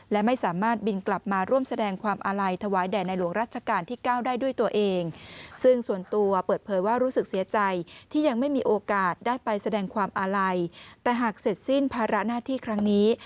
แต่หากเสร็จสิ้นภาระหน้าที่ครั้งนี้